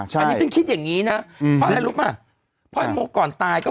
ใช่อันนี้จะคิดอย่างงี้นะอืออ่ะรู้ป่ะเพราะหมดก่อนตายก็